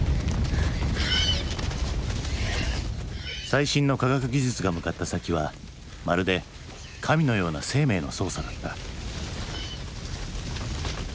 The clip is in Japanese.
最新の科学技術が向かった先はまるで神のような生命の操作だった。